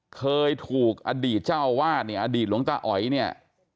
เคยถูกอดีตเจ้าวาดเนี่ยอดีตหลวงตาอ๋อยเนี่ย